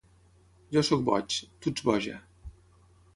Jo sóc boig. Tu ets boja.